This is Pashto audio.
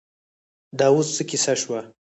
دا اوس څه کیسه شوه.